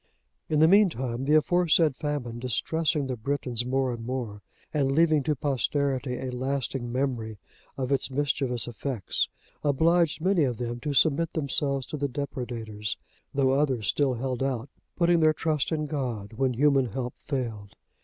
In the meantime, the aforesaid famine distressing the Britons more and more, and leaving to posterity a lasting memory of its mischievous effects, obliged many of them to submit themselves to the depredators; though others still held out, putting their trust in God, when human help failed.